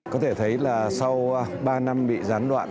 có thể thấy là sau ba năm bị gián đoạn